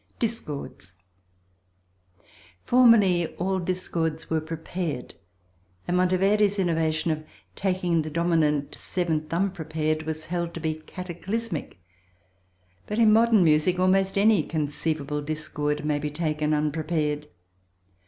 Discords Formerly all discords were prepared, and Monteverde's innovation of taking the dominant seventh unprepared was held to be cataclysmic, but in modern music almost any conceivable discord may be taken unprepared.